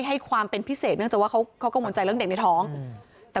ให้ความเป็นพิเศษเนื่องจากว่าเขาเขากังวลใจเรื่องเด็กในท้องอืมแต่